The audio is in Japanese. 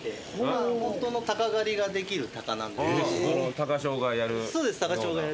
鷹匠がやる。